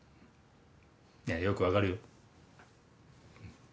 いやよく分かるよ。